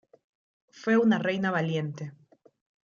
Fue una reina valiente.